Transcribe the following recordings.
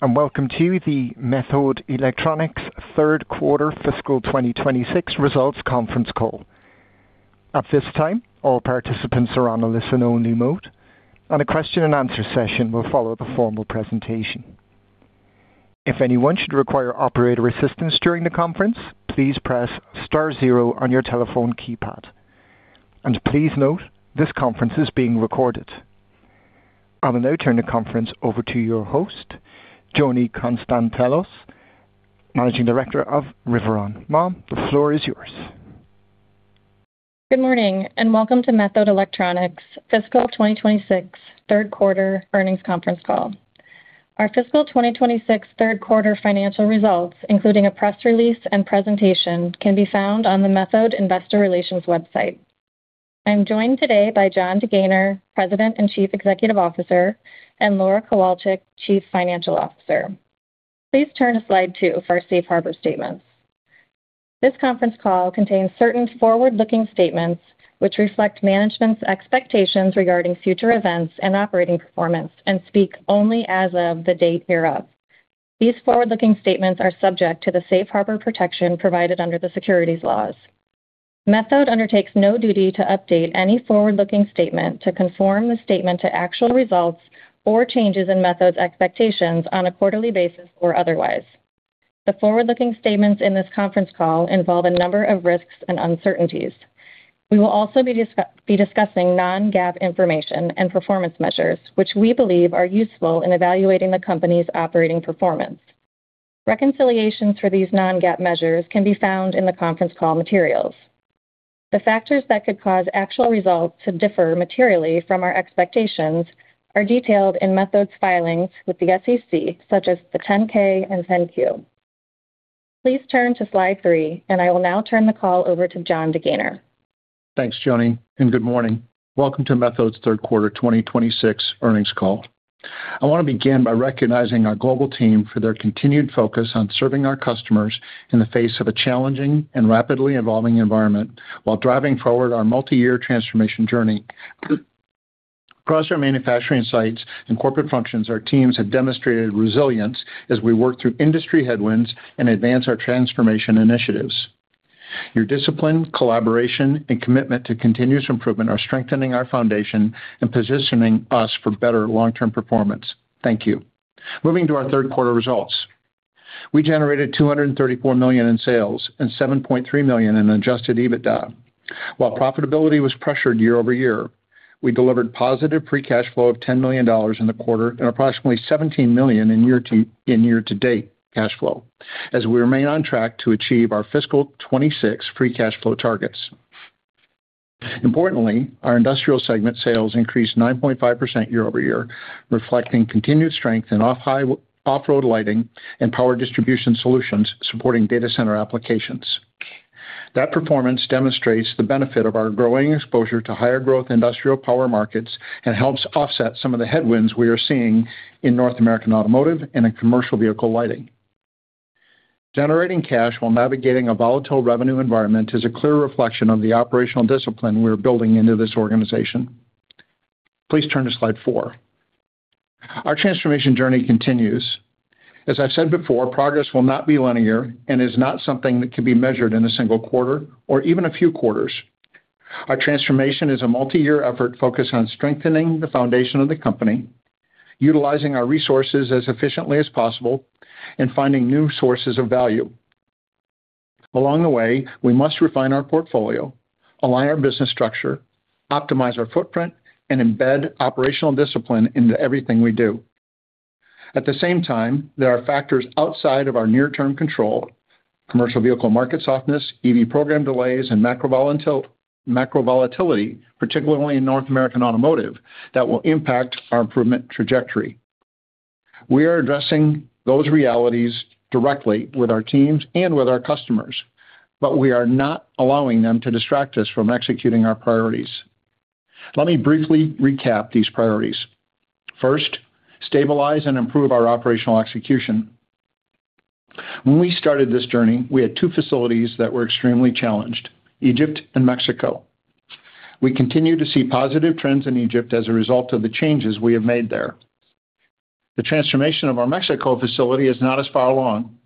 Welcome to the Methode Electronics third quarter fiscal 2026 results conference call. At this time, all participants are on a listen-only mode, and a question-and-answer session will follow the formal presentation. If anyone should require operator assistance during the conference, please press star 0 on your telephone keypad. Please note this conference is being recorded. I will now turn the conference over to your host, Joni Konstantelos, Managing Director of Riveron. Ma'am, the floor is yours. Good morning and welcome to Methode Electronics' Fiscal 2026 third quarter earnings conference call. Our Fiscal 2026 third quarter financial results, including a press release and presentation, can be found on the Methode Investor Relations website. I'm joined today by Jon DeGaynor, President and Chief Executive Officer, and Laura Kowalchik, Chief Financial Officer. Please turn to Slide two for our safe harbor statements. This conference call contains certain forward-looking statements which reflect management's expectations regarding future events and operating performance and speak only as of the date hereof. These forward-looking statements are subject to the safe harbor protection provided under the securities laws. Methode undertakes no duty to update any forward-looking statement to conform the statement to actual results or changes in Methode's expectations on a quarterly basis or otherwise. The forward-looking statements in this conference call involve a number of risks and uncertainties. We will also be discussing non-GAAP information and performance measures, which we believe are useful in evaluating the company's operating performance. Reconciliations for these non-GAAP measures can be found in the conference call materials. The factors that could cause actual results to differ materially from our expectations are detailed in Methode's filings with the SEC, such as the 10-K and 10-Q. Please turn to Slide 3. I will now turn the call over to Jon DeGaynor. Thanks, Joni. Good morning. Welcome to Methode's third quarter 2026 earnings call. I want to begin by recognizing our global team for their continued focus on serving our customers in the face of a challenging and rapidly evolving environment while driving forward our multi-year transformation journey. Across our manufacturing sites and corporate functions, our teams have demonstrated resilience as we work through industry headwinds and advance our transformation initiatives. Your discipline, collaboration, and commitment to continuous improvement are strengthening our foundation and positioning us for better long-term performance. Thank you. Moving to our third quarter results. We generated $234 million in sales and $7.3 million in adjusted EBITDA. While profitability was pressured year-over-year, we delivered positive free cash flow of $10 million in the quarter and approximately $17 million in year-to-date cash flow as we remain on track to achieve our FY 2026 free cash flow targets. Importantly, our industrial segment sales increased 9.5% year-over-year, reflecting continued strength in off-road lighting and power distribution solutions supporting data center applications. That performance demonstrates the benefit of our growing exposure to higher growth industrial power markets and helps offset some of the headwinds we are seeing in North American automotive and in commercial vehicle lighting. Generating cash while navigating a volatile revenue environment is a clear reflection of the operational discipline we're building into this organization. Please turn to Slide 4. Our transformation journey continues. As I've said before, progress will not be linear and is not something that can be measured in a single quarter or even a few quarters. Our transformation is a multi-year effort focused on strengthening the foundation of the company, utilizing our resources as efficiently as possible, and finding new sources of value. Along the way, we must refine our portfolio, align our business structure, optimize our footprint, and embed operational discipline into everything we do. At the same time, there are factors outside of our near-term control, commercial vehicle market softness, EV program delays, and macro volatility, particularly in North American automotive, that will impact our improvement trajectory. We are addressing those realities directly with our teams and with our customers. We are not allowing them to distract us from executing our priorities. Let me briefly recap these priorities. First, stabilize and improve our operational execution. When we started this journey, we had two facilities that were extremely challenged, Egypt and Mexico. We continue to see positive trends in Egypt as a result of the changes we have made there. The transformation of our Mexico facility is not as far along.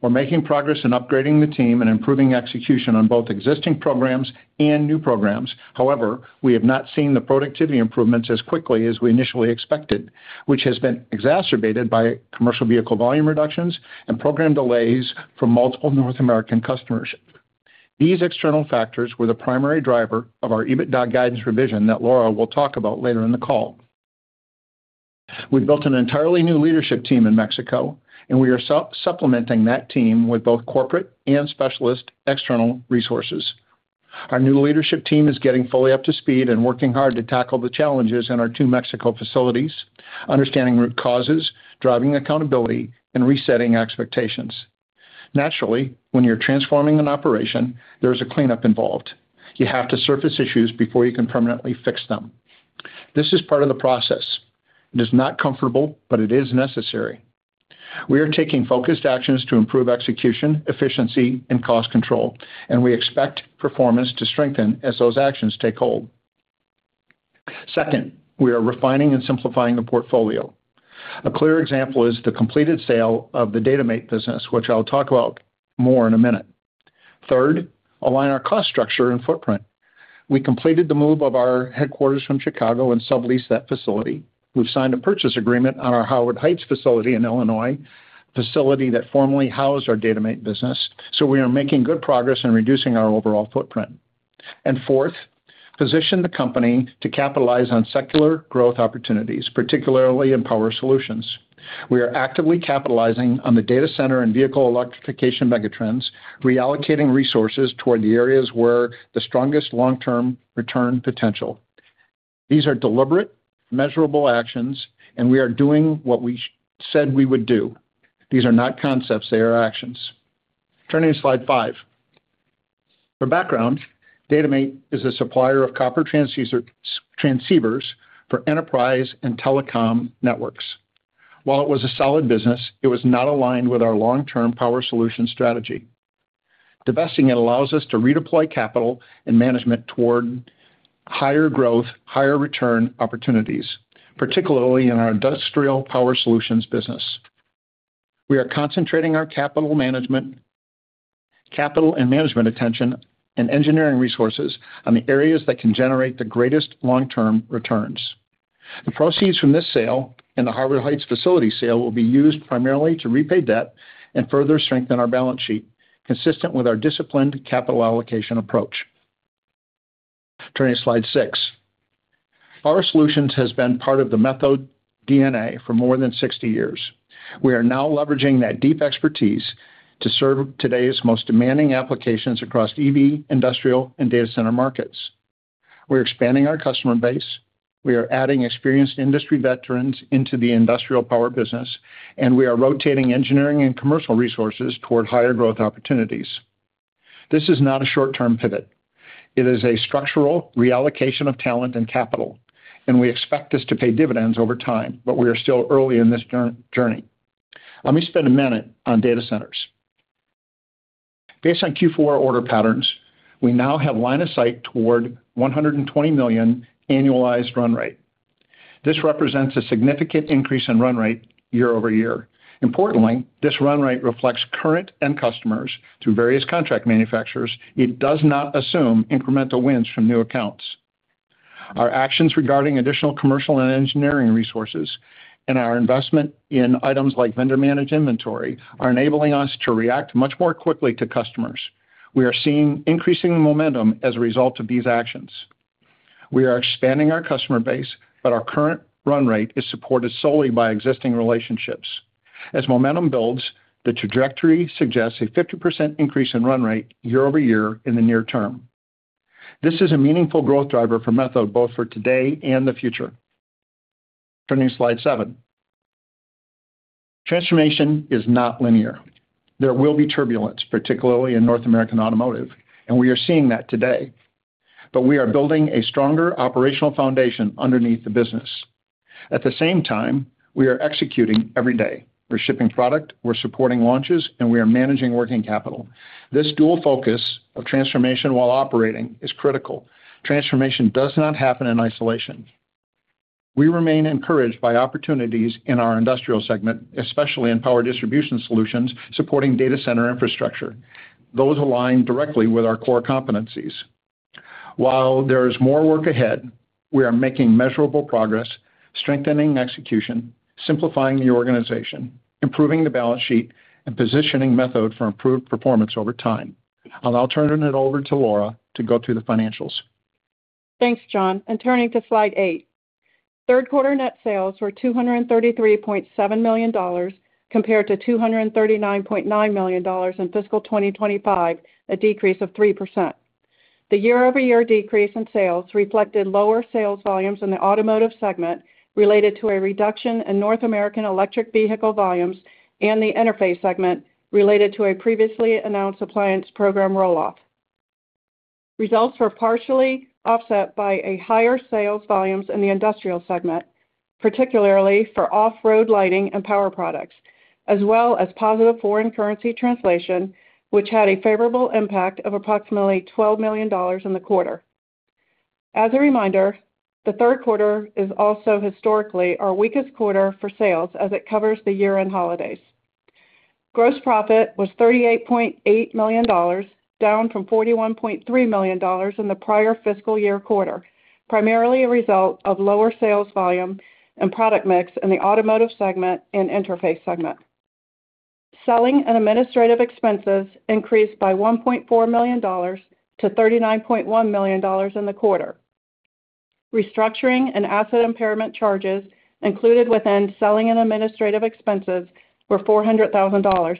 We're making progress in upgrading the team and improving execution on both existing programs and new programs. However, we have not seen the productivity improvements as quickly as we initially expected, which has been exacerbated by commercial vehicle volume reductions and program delays from multiple North American customers. These external factors were the primary driver of our EBITDA guidance revision that Laura will talk about later in the call. We've built an entirely new leadership team in Mexico, and we are supplementing that team with both corporate and specialist external resources. Our new leadership team is getting fully up to speed and working hard to tackle the challenges in our 2 Mexico facilities, understanding root causes, driving accountability, and resetting expectations. Naturally, when you're transforming an operation, there is a cleanup involved. You have to surface issues before you can permanently fix them. This is part of the process. It is not comfortable, but it is necessary. We are taking focused actions to improve execution, efficiency, and cost control. We expect performance to strengthen as those actions take hold. Second, we are refining and simplifying the portfolio. A clear example is the completed sale of the dataMate business, which I'll talk about more in 1 minute. Third, align our cost structure and footprint. We completed the move of our headquarters from Chicago and subleased that facility. We've signed a purchase agreement on our Harwood Heights facility in Illinois, a facility that formerly housed our dataMate business, so we are making good progress in reducing our overall footprint. Fourth, position the company to capitalize on secular growth opportunities, particularly in power solutions. We are actively capitalizing on the data center and vehicle electrification megatrends, reallocating resources toward the areas where the strongest long-term return potential. These are deliberate, measurable actions, and we are doing what we said we would do. These are not concepts, they are actions. Turning to slide 5. For background, dataMate is a supplier of copper transceivers for enterprise and telecom networks. While it was a solid business, it was not aligned with our long-term power solution strategy. Divesting it allows us to redeploy capital and management toward higher growth, higher return opportunities, particularly in our industrial power solutions business. We are concentrating our capital and management attention and engineering resources on the areas that can generate the greatest long-term returns. The proceeds from this sale and the Harwood Heights facility sale will be used primarily to repay debt and further strengthen our balance sheet, consistent with our disciplined capital allocation approach. Turning to slide 6. Power Solutions has been part of the Methode DNA for more than 60 years. We are now leveraging that deep expertise to serve today's most demanding applications across EV, industrial, and data center markets. We're expanding our customer base, we are adding experienced industry veterans into the industrial power business, and we are rotating engineering and commercial resources toward higher growth opportunities. This is not a short-term pivot. It is a structural reallocation of talent and capital. We expect this to pay dividends over time. We are still early in this journey. Let me spend a minute on data centers. Based on Q4 order patterns, we now have line of sight toward $120 million annualized run rate. This represents a significant increase in run rate year-over-year. Importantly, this run rate reflects current end customers through various contract manufacturers. It does not assume incremental wins from new accounts. Our actions regarding additional commercial and engineering resources and our investment in items like vendor managed inventory are enabling us to react much more quickly to customers. We are seeing increasing momentum as a result of these actions. We are expanding our customer base. Our current run rate is supported solely by existing relationships. As momentum builds, the trajectory suggests a 50% increase in run rate year-over-year in the near term. This is a meaningful growth driver for Methode, both for today and the future. Turning to slide 7. Transformation is not linear. There will be turbulence, particularly in North American automotive, and we are seeing that today. We are building a stronger operational foundation underneath the business. At the same time, we are executing every day. We're shipping product, we're supporting launches, and we are managing working capital. This dual focus of transformation while operating is critical. Transformation does not happen in isolation. We remain encouraged by opportunities in our industrial segment, especially in power distribution solutions supporting data center infrastructure. Those align directly with our core competencies. While there is more work ahead, we are making measurable progress, strengthening execution, simplifying the organization, improving the balance sheet, and positioning Methode for improved performance over time. I'll now turning it over to Laura to go through the financials. Thanks, Jon, turning to slide 8. Third quarter net sales were $233.7 million compared to $239.9 million in fiscal 2025, a decrease of 3%. The year-over-year decrease in sales reflected lower sales volumes in the automotive segment related to a reduction in North American electric vehicle volumes and the interface segment related to a previously announced appliance program roll-off. Results were partially offset by a higher sales volumes in the industrial segment, particularly for off-road lighting and power products, as well as positive foreign currency translation, which had a favorable impact of approximately $12 million in the quarter. As a reminder, the third quarter is also historically our weakest quarter for sales as it covers the year-end holidays. Gross profit was $38.8 million, down from $41.3 million in the prior fiscal year quarter, primarily a result of lower sales volume and product mix in the automotive segment and interface segment. Selling and administrative expenses increased by $1.4 million to $39.1 million in the quarter. Restructuring and asset impairment charges included within selling and administrative expenses were $400,000.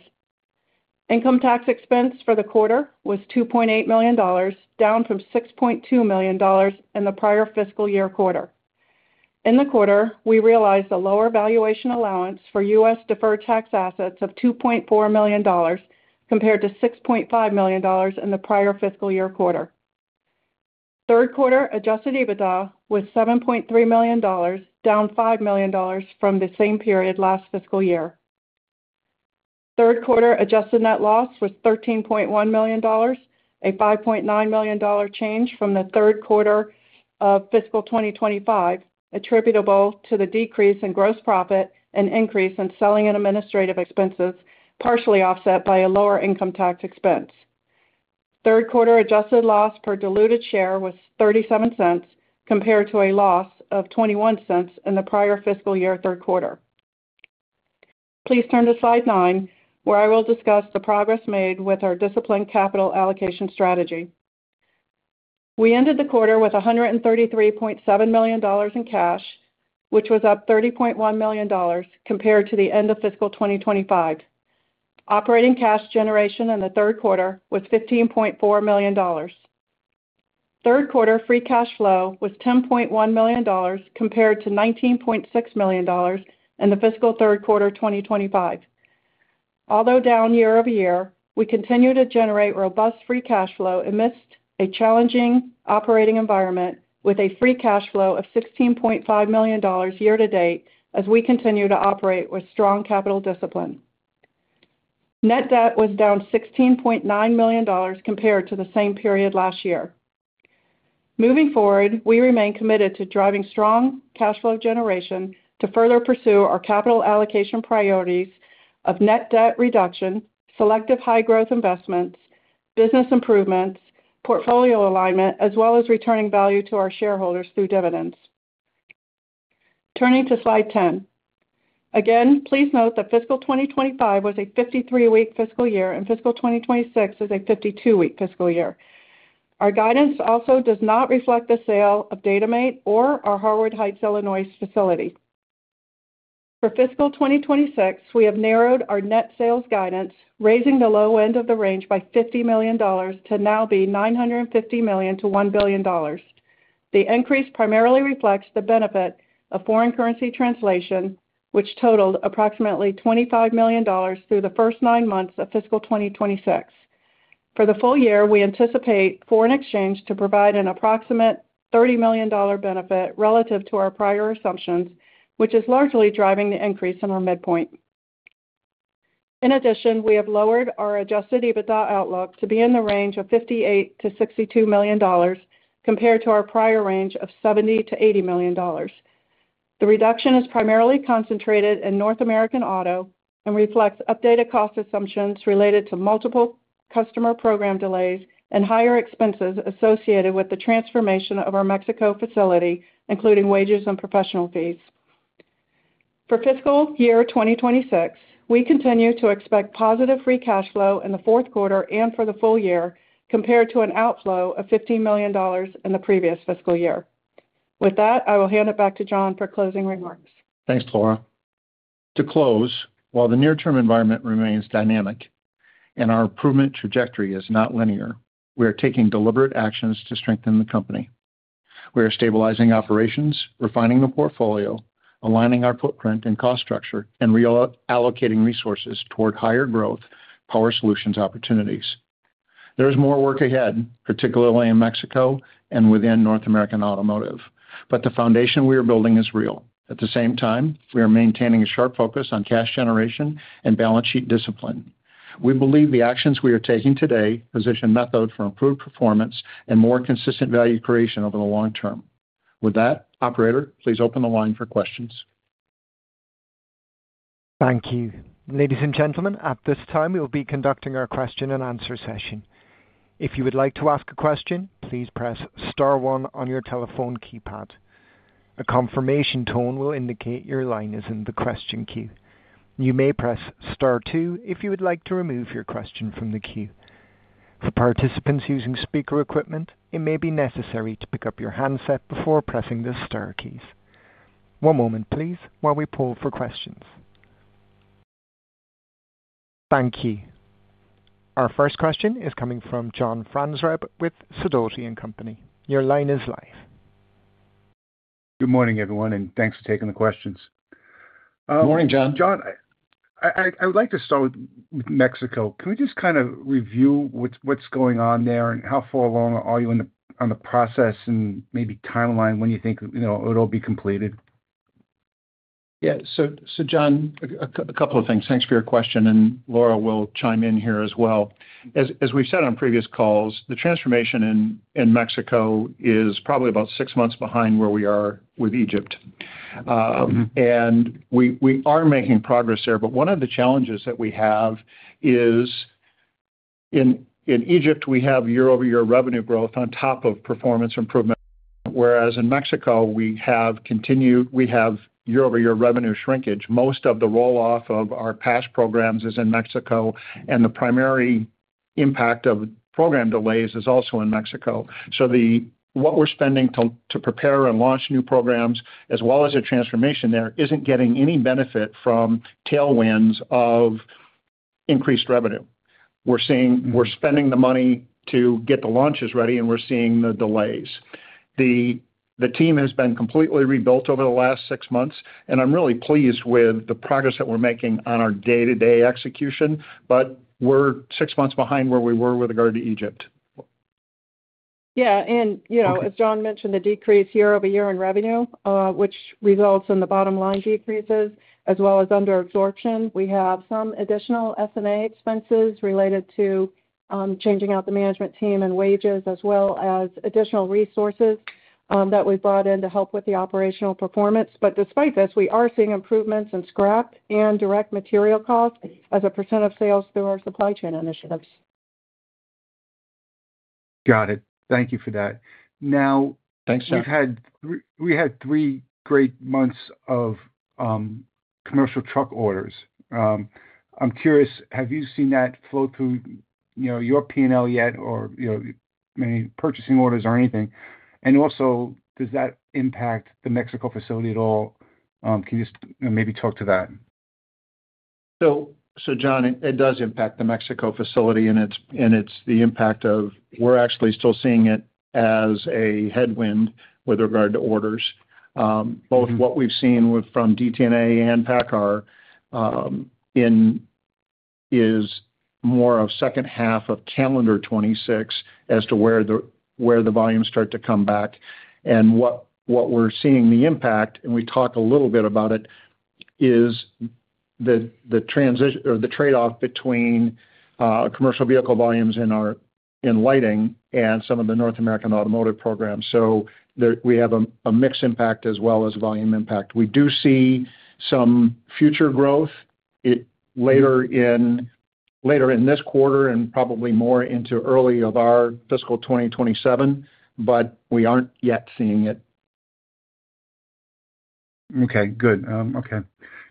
Income tax expense for the quarter was $2.8 million, down from $6.2 million in the prior fiscal year quarter. In the quarter, we realized a lower valuation allowance for U.S. deferred tax assets of $2.4 million compared to $6.5 million in the prior fiscal year quarter. Third quarter adjusted EBITDA was $7.3 million, down $5 million from the same period last fiscal year. Third quarter adjusted net loss was $13.1 million, a $5.9 million change from the third quarter of fiscal 2025, attributable to the decrease in gross profit and increase in selling and administrative expenses, partially offset by a lower income tax expense. Third quarter adjusted loss per diluted share was $0.37 compared to a loss of $0.21 in the prior fiscal year third quarter. Please turn to slide 9, where I will discuss the progress made with our disciplined capital allocation strategy. We ended the quarter with $133.7 million in cash, which was up $30.1 million compared to the end of fiscal 2025. Operating cash generation in the third quarter was $15.4 million. Third quarter free cash flow was $10.1 million compared to $19.6 million in the fiscal third quarter 2025. Although down year-over-year, we continue to generate robust free cash flow amidst a challenging operating environment with a free cash flow of $16.5 million year to date as we continue to operate with strong capital discipline. Net debt was down $16.9 million compared to the same period last year. Moving forward, we remain committed to driving strong cash flow generation to further pursue our capital allocation priorities of net debt reduction, selective high growth investments, business improvements, portfolio alignment as well as returning value to our shareholders through dividends. Turning to slide 10. Again, please note that fiscal 2025 was a 53-week fiscal year and fiscal 2026 is a 52-week fiscal year. Our guidance also does not reflect the sale of dataMate or our Harwood Heights, Illinois facility. For fiscal 2026, we have narrowed our net sales guidance, raising the low end of the range by $50 million to now be $950 million-$1 billion. The increase primarily reflects the benefit of foreign currency translation, which totaled approximately $25 million through the first nine months of fiscal 2026. For the full year, we anticipate foreign exchange to provide an approximate $30 million benefit relative to our prior assumptions, which is largely driving the increase in our midpoint. We have lowered our adjusted EBITDA outlook to be in the range of $58 million-$62 million compared to our prior range of $70 million-$80 million. The reduction is primarily concentrated in North American auto and reflects updated cost assumptions related to multiple customer program delays and higher expenses associated with the transformation of our Mexico facility, including wages and professional fees. For fiscal year 2026, we continue to expect positive free cash flow in the fourth quarter and for the full year compared to an outflow of $15 million in the previous fiscal year. With that, I will hand it back to Jon for closing remarks. Thanks, Laura. To close, while the near term environment remains dynamic and our improvement trajectory is not linear, we are taking deliberate actions to strengthen the company. We are stabilizing operations, refining the portfolio, aligning our footprint and cost structure, and reallocating resources toward higher growth power solutions opportunities. There is more work ahead, particularly in Mexico and within North American automotive, but the foundation we are building is real. At the same time, we are maintaining a sharp focus on cash generation and balance sheet discipline. We believe the actions we are taking today position Methode for improved performance and more consistent value creation over the long term. With that, operator, please open the line for questions. Thank you. Ladies and gentlemen, at this time we will be conducting our question and answer session. If you would like to ask a question, please press star one on your telephone keypad. A confirmation tone will indicate your line is in the question queue. You may press star two if you would like to remove your question from the queue. For participants using speaker equipment, it may be necessary to pick up your handset before pressing the star keys. One moment, please, while we poll for questions. Thank you. Our first question is coming from John Franzreb with Sidoti & Company. Your line is live. Good morning, everyone, and thanks for taking the questions. Morning, John. Jon, I would like to start with Mexico. Can we just kind of review what's going on there and how far along are you on the process and maybe timeline when you think, you know, it'll be completed? Yeah. John, a couple of things. Thanks for your question, and Laura will chime in here as well. As we've said on previous calls, the transformation in Mexico is probably about six months behind where we are with Egypt. Mm-hmm. We are making progress there, one of the challenges that we have is in Egypt, we have year-over-year revenue growth on top of performance improvement, whereas in Mexico we have year-over-year revenue shrinkage. Most of the roll-off of our past programs is in Mexico, and the primary impact of program delays is also in Mexico. What we're spending to prepare and launch new programs as well as the transformation there isn't getting any benefit from tailwinds of increased revenue. Mm. We're spending the money to get the launches ready. We're seeing the delays. The team has been completely rebuilt over the last six months. I'm really pleased with the progress that we're making on our day-to-day execution. We're six months behind where we were with regard to Egypt. Yeah. You know, as Jon mentioned, the decrease year-over-year in revenue, which results in the bottom line decreases as well as under absorption. We have some additional SG&A expenses related to changing out the management team and wages as well as additional resources that we brought in to help with the operational performance. Despite this, we are seeing improvements in scrap and direct material costs as a % of sales through our supply chain initiatives. Got it. Thank you for that. Thanks, John. We had 3 great months of commercial truck orders. I'm curious, have you seen that flow through, you know, your P&L yet or, you know, any purchasing orders or anything? Also does that impact the Mexico facility at all? Can you just maybe talk to that? Jon, it does impact the Mexico facility, and it's the impact of we're actually still seeing it as a headwind with regard to orders. Mm-hmm. Both what we've seen with from DTNA and PACCAR, in is more of second half of calendar 26 as to where the volumes start to come back. What we're seeing the impact, and we talked a little bit about it, is the trade-off between commercial vehicle volumes in lighting and some of the North American automotive programs. There we have a mix impact as well as volume impact. We do see some future growth it later in this quarter and probably more into early of our fiscal 2027, but we aren't yet seeing it. Okay, good. Okay.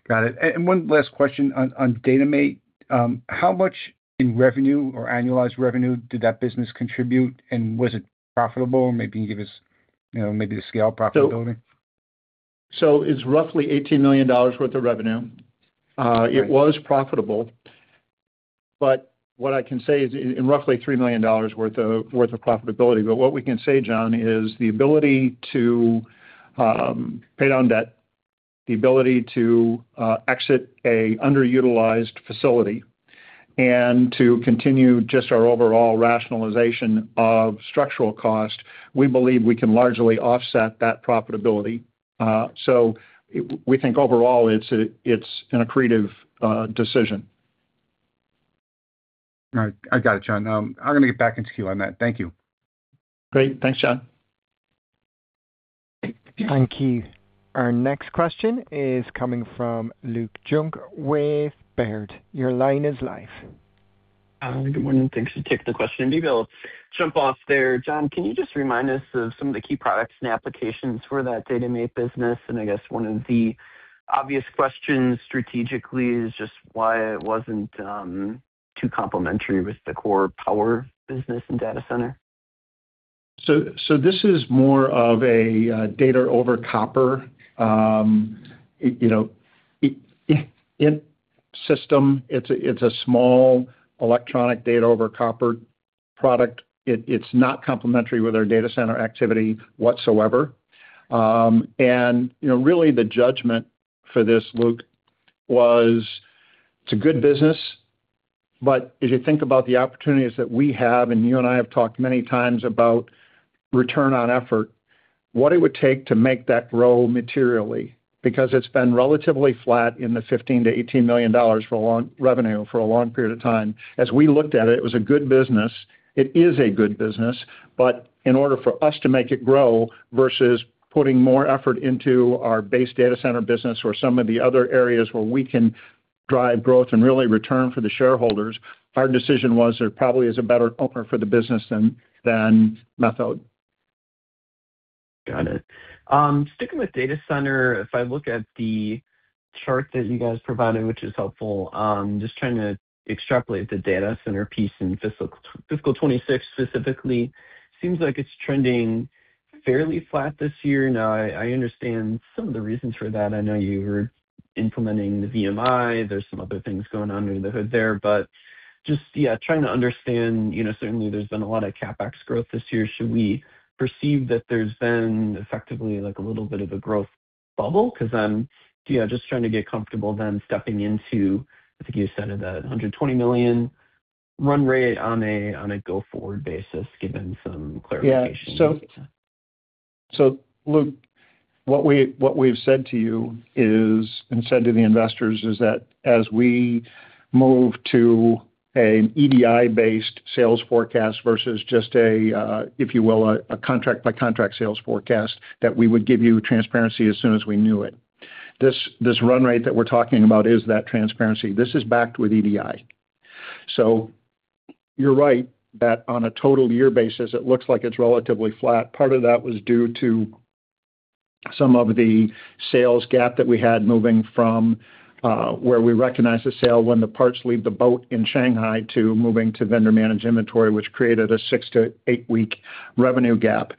Got it. One last question on dataMate. How much in revenue or annualized revenue did that business contribute, and was it profitable? Maybe you can give us, you know, maybe the scale profitability. It's roughly $18 million worth of revenue. Great. It was profitable, what I can say is in roughly $3 million worth of profitability. What we can say, John, is the ability to pay down debt, the ability to exit an underutilized facility and to continue just our overall rationalization of structural cost, we believe we can largely offset that profitability. We think overall it's an accretive decision. All right. I got it, John. I'm gonna get back into queue on that. Thank you. Great. Thanks, John. Thank you. Our next question is coming from Luke Junk with Baird. Your line is live. Good morning. Thanks. You take the question. Maybe I'll jump off there. Jon, can you just remind us of some of the key products and applications for that dataMate business? I guess one of the obvious questions strategically is just why it wasn't too complementary with the core power business and data center. This is more of a data-over-copper, you know, in system. It's a small electronic data-over-copper product. It's not complementary with our data center activity whatsoever. You know, really the judgment for this, Luke, was it's a good business. As you think about the opportunities that we have, and you and I have talked many times about return on effort, what it would take to make that grow materially because it's been relatively flat in the $15 million-$18 million revenue for a long period of time. As we looked at it was a good business. It is a good business. In order for us to make it grow versus putting more effort into our base data center business or some of the other areas where we can drive growth and really return for the shareholders, our decision was there probably is a better owner for the business than Methode. Got it. Sticking with data center, if I look at the chart that you guys provided, which is helpful, just trying to extrapolate the data center piece in fiscal 26 specifically seems like it's trending fairly flat this year. I understand some of the reasons for that. I know you were implementing the VMI. There's some other things going on under the hood there. Just trying to understand, you know, certainly there's been a lot of CapEx growth this year. Should we perceive that there's been effectively like a little bit of a growth bubble? Just trying to get comfortable then stepping into, I think you said it, that $120 million run rate on a go-forward basis, given some clarification. Yeah. Luke, what we, what we've said to you is, and said to the investors, is that as we move to an EDI-based sales forecast versus just a, if you will, a contract by contract sales forecast, that we would give you transparency as soon as we knew it. This run rate that we're talking about is that transparency. This is backed with EDI. You're right that on a total year basis, it looks like it's relatively flat. Part of that was due to some of the sales gap that we had moving from, where we recognized the sale when the parts leave the boat in Shanghai to moving to vendor managed inventory, which created a 6-8 week revenue gap.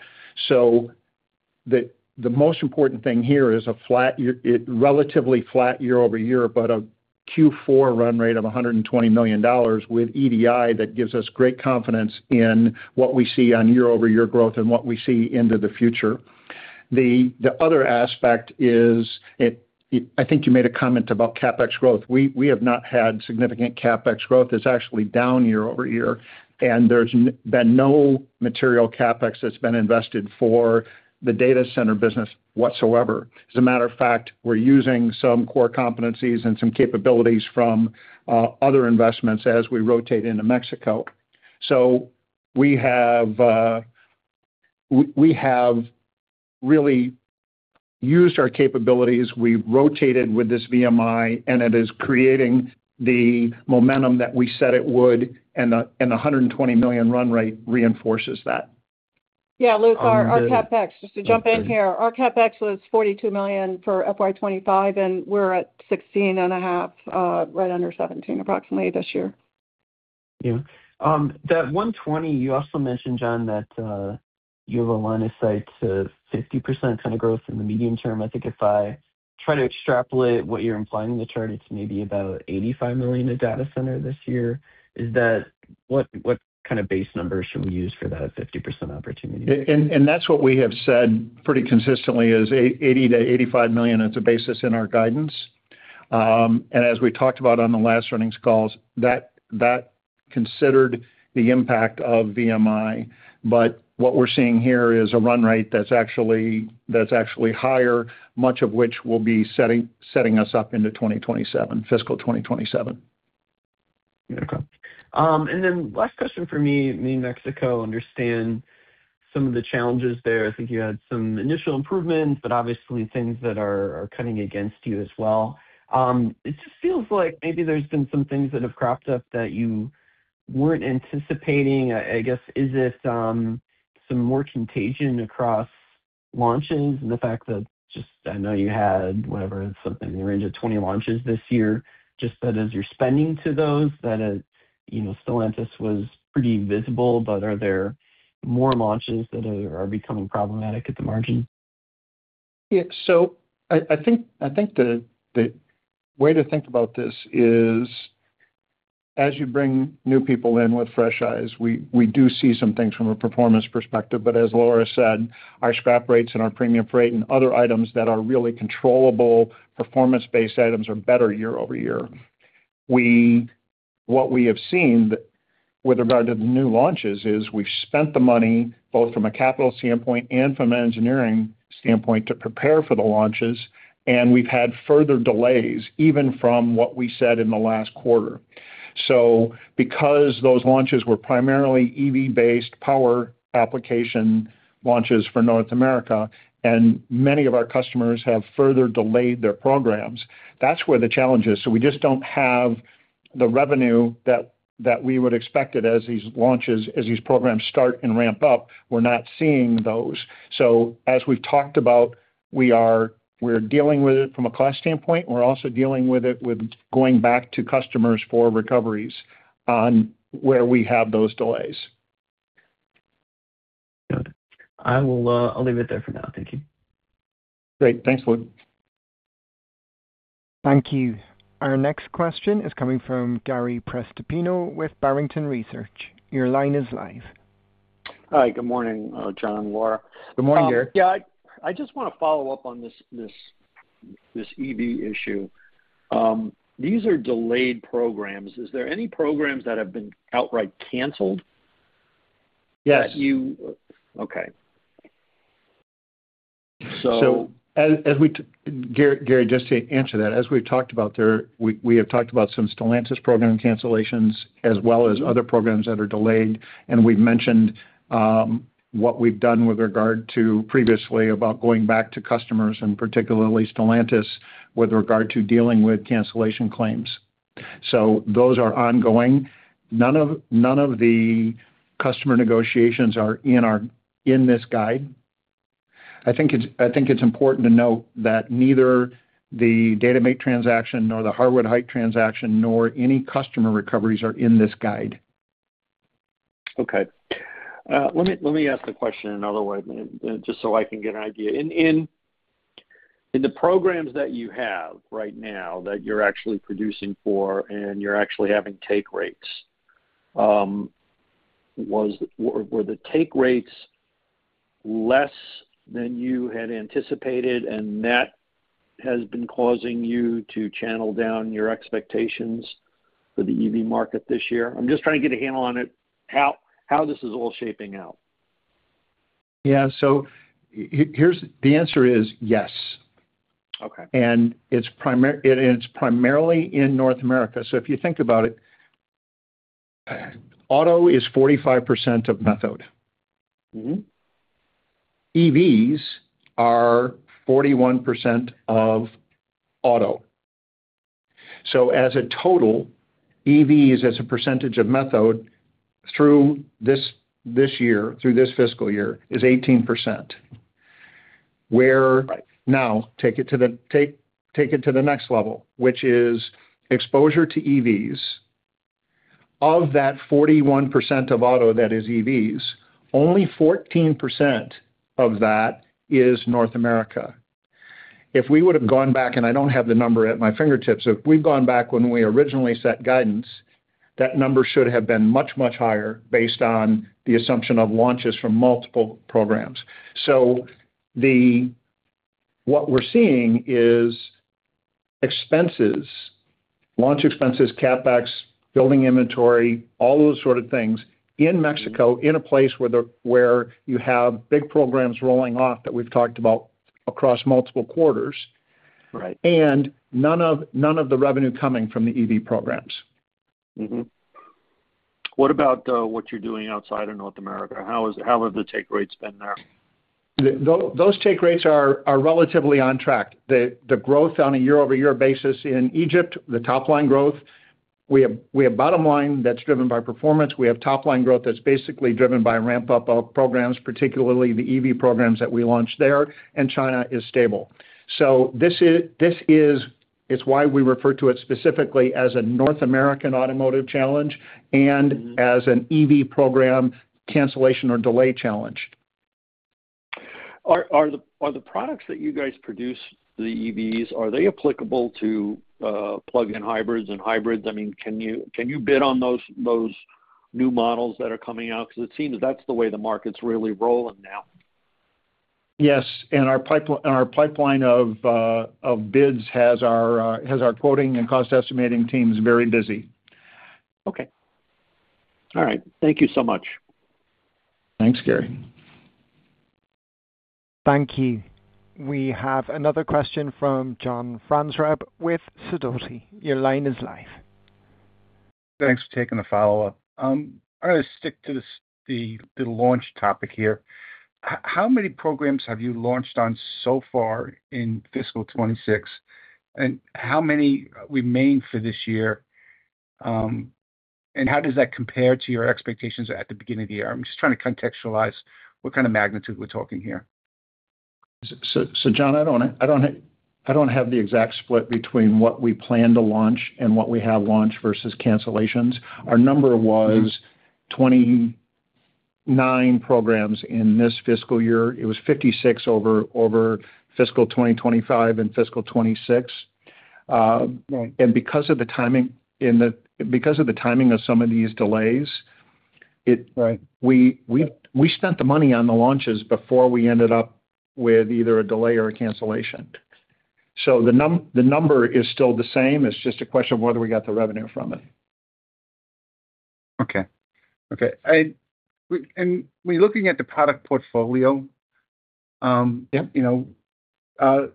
The most important thing here is a relatively flat year-over-year, but a Q4 run rate of $120 million with EDI that gives us great confidence in what we see on year-over-year growth and what we see into the future. The other aspect is, I think you made a comment about CapEx growth. We have not had significant CapEx growth. It's actually down year-over-year, and there's been no material CapEx that's been invested for the data center business whatsoever. As a matter of fact, we're using some core competencies and some capabilities from other investments as we rotate into Mexico. We have really used our capabilities. We've rotated with this VMI, and it is creating the momentum that we said it would, and the, and the $120 million run rate reinforces that. Yeah, Luke, our CapEx. Just to jump in here. Our CapEx was $42 million for FY 25, and we're at $16.5 million, right under $17 million approximately this year. that 120, you also mentioned, Jon, that, you have a line of sight to 50% kind of growth in the medium term. I think if I try to extrapolate what you're implying in the chart, it's maybe about $85 million in data center this year. Is that? What kind of base number should we use for that 50% opportunity? That's what we have said pretty consistently is $80 million-$85 million as a basis in our guidance. As we talked about on the last earnings calls, that considered the impact of VMI. What we're seeing here is a run rate that's actually higher, much of which will be setting us up into 2027, fiscal 2027. Okay. Last question for me. I mean, Mexico understand some of the challenges there. I think you had some initial improvements, but obviously things that are cutting against you as well. It just feels like maybe there's been some things that have cropped up that you weren't anticipating. I guess, is this some more contagion across launches and the fact that just I know you had whatever, something in the range of 20 launches this year, just that as you're spending to those that are, you know, Stellantis was pretty visible, but are there more launches that are becoming problematic at the margin? I think the way to think about this is as you bring new people in with fresh eyes, we do see some things from a performance perspective. As Laura Kowalchik said, our scrap rates and our premium freight and other items that are really controllable performance-based items are better year-over-year. What we have seen with regard to the new launches is we've spent the money both from a capital standpoint and from an engineering standpoint to prepare for the launches, and we've had further delays even from what we said in the last quarter. Because those launches were primarily EV-based power application launches for North America, and many of our customers have further delayed their programs, that's where the challenge is. We just don't have the revenue that we would expect it as these launches, as these programs start and ramp up. We're not seeing those. As we've talked about, we're dealing with it from a cost standpoint. We're also dealing with it with going back to customers for recoveries on where we have those delays. Good. I'll leave it there for now. Thank you. Great. Thanks, Luke. Thank you. Our next question is coming from Gary Prestopino with Barrington Research. Your line is live. Hi. Good morning, Jon and Laura. Good morning, Gary. Yeah, I just want to follow up on this EV issue. These are delayed programs. Is there any programs that have been outright canceled? Yes. Okay. Gary, just to answer that, as we've talked about there, we have talked about some Stellantis program cancellations as well as other programs that are delayed. We've mentioned what we've done with regard to previously about going back to customers and particularly Stellantis with regard to dealing with cancellation claims. Those are ongoing. None of the customer negotiations are in this guide. I think it's important to note that neither the dataMate transaction nor the Harwood Heights transaction nor any customer recoveries are in this guide. Okay. Let me ask the question another way just so I can get an idea. In the programs that you have right now that you're actually producing for and you're actually having take rates, were the take rates less than you had anticipated and that has been causing you to channel down your expectations for the EV market this year? I'm just trying to get a handle on it, how this is all shaping out. Yeah. The answer is yes. Okay. It's primarily in North America. If you think about it, auto is 45% of Methode. Mm-hmm. EVs are 41% of auto. As a total, EVs as a percentage of Methode through this year, through this fiscal year, is 18%. Right. Now take it to the next level, which is exposure to EVs. Of that 41% of auto that is EVs, only 14% of that is North America. If we would have gone back, and I don't have the number at my fingertips, if we've gone back when we originally set guidance, that number should have been much, much higher based on the assumption of launches from multiple programs. What we're seeing is expenses, launch expenses, CapEx, building inventory, all those sort of things in Mexico, in a place where you have big programs rolling off that we've talked about across multiple quarters. Right. None of the revenue coming from the EV programs. What about what you're doing outside of North America? How is, how have the take rates been there? Those take rates are relatively on track. The growth on a year-over-year basis in Egypt, the top line growth, we have bottom line that's driven by performance. We have top line growth that's basically driven by ramp-up of programs, particularly the EV programs that we launched there, and China is stable. This is why we refer to it specifically as a North American automotive challenge and as an EV program cancellation or delay challenge. Are the products that you guys produce, the EVs, are they applicable to plug-in hybrids and hybrids? I mean, can you bid on those new models that are coming out? It seems that's the way the market's really rolling now. Yes. Our pipeline of bids has our quoting and cost estimating teams very busy. Okay. All right. Thank you so much. Thanks, Gary. Thank you. We have another question from John Franzreb with Sidoti. Your line is live. Thanks for taking the follow-up. I'm gonna stick to the launch topic here. How many programs have you launched on so far in FY 26? How many remain for this year? How does that compare to your expectations at the beginning of the year? I'm just trying to contextualize what kind of magnitude we're talking here. John, I don't have the exact split between what we plan to launch and what we have launched versus cancellations. Our number was 29 programs in this fiscal year. It was 56 over fiscal 2025 and fiscal 26. Right. Because of the timing of some of these delays. Right. We spent the money on the launches before we ended up with either a delay or a cancellation. The number is still the same. It's just a question of whether we got the revenue from it. Okay. When looking at the product portfolio. Yep. You know,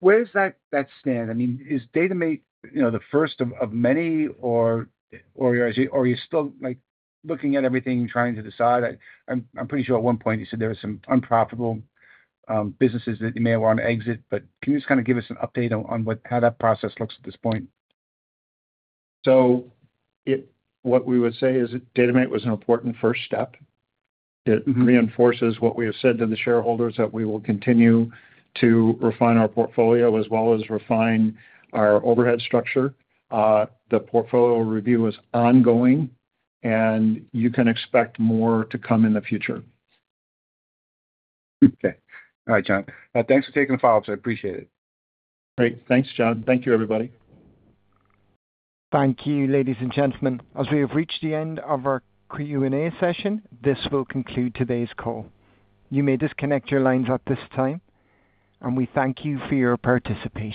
where does that stand? I mean, is dataMate, you know, the first of many or are you still, like, looking at everything, trying to decide? I'm pretty sure at one point you said there were some unprofitable businesses that you may want to exit, but can you just kind of give us an update on what how that process looks at this point? What we would say is dataMate was an important first step. Mm-hmm. It reinforces what we have said to the shareholders, that we will continue to refine our portfolio as well as refine our overhead structure. The portfolio review is ongoing, and you can expect more to come in the future. Okay. All right, Jon. thanks for taking the follow-up. I appreciate it. Great. Thanks, John. Thank you, everybody. Thank you, ladies and gentlemen. As we have reached the end of our Q&A session, this will conclude today's call. You may disconnect your lines at this time. We thank you for your participation.